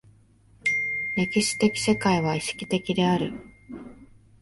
歴史的世界は意識的である。